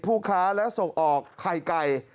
ผู้ค้าและส่งออกไข่ไก่